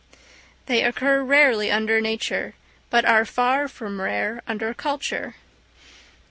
They occur rarely under nature, but are far from rare under culture.